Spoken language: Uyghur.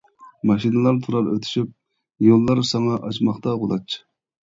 ماشىنىلار تۇرار ئۆتۈشۈپ، يوللار ساڭا ئاچماقتا غۇلاچ.